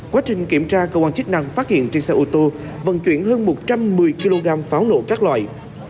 quá trình kiểm tra cơ quan chức năng phát hiện trên xe ô tô vận chuyển hơn một trăm một mươi kg pháo nổ các loại